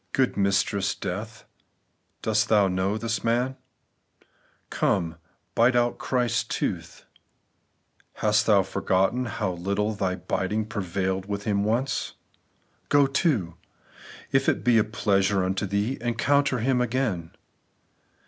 Good mistress Death, dost thou know this man ? Come, bite out His tooth : hast thou forgotten how little thy biting prevailed with Him once ? Go to ! if it be a pleasure unto thee, encounter Him again.